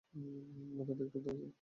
মাথাটা একটু ধরেছে।